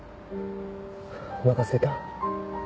おなかすいた？